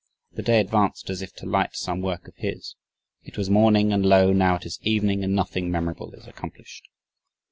"The day advanced as if to light some work of his it was morning and lo! now it is evening and nothing memorable is accomplished..."